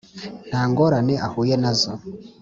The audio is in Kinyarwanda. nta ngorane ahuye na zo